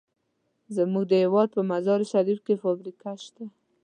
زمونږ د هېواد په مزار شریف کې فابریکه شته.